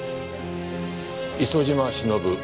磯島忍